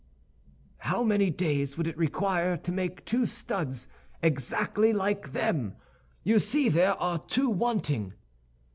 "How many days would it require to make two studs exactly like them? You see there are two wanting."